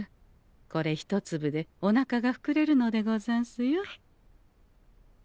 これ１粒でおなかがふくれるのでござんすよ。